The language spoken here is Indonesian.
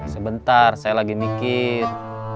sebentar saya lagi mikir